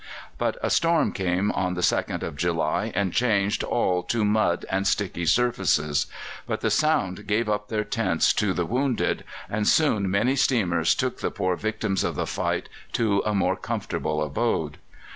But a storm came on the 2nd of July and changed all to mud and sticky surfaces; but the sound gave up their tents to the wounded, and soon many steamers took the poor victims of the fight to a more comfortable abode.